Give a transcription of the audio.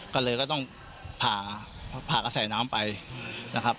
ก็เลยก็ต้องผ่าผ่ากระแสน้ำไปนะครับ